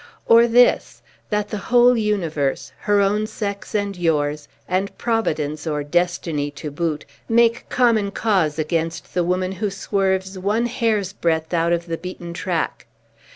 Or, this: That the whole universe, her own sex and yours, and Providence, or Destiny, to boot, make common cause against the woman who swerves one hair's breadth out of the beaten track.